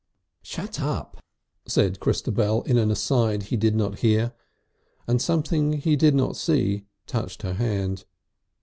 "Shut up!" said Christabel in an aside he did not hear, and something he did not see touched her hand.